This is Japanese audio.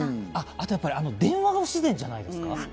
あと電話が不自然じゃないですか？